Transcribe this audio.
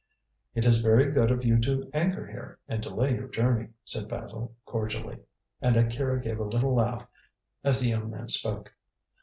"It is very good of you to anchor here, and delay your journey," said Basil cordially; and Akira gave a little laugh as the young man spoke.